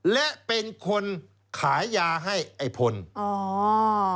และเป็นคนขายยาให้ไอ้พลอ๋อ